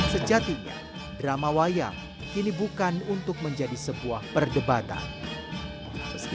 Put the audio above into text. sejatinya drama wayang ini bukan untuk menjadi sebuah perdebatan